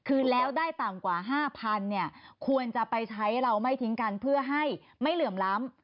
คือแล้วได้ต่ำกว่า๕๐๐เนี่ยควรจะไปใช้เราไม่ทิ้งกันเพื่อให้ไม่เหลื่อมล้ำ